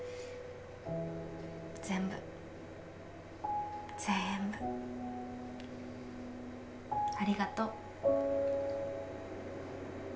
全部ぜんぶありがとう。